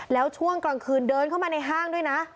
แล้วช่วงกลางคืนเดินเข้ามาในห้างด้วยนะ